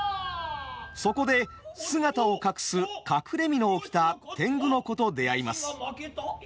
そこで姿を隠す「隠れ蓑」を着た天狗の子と出会います。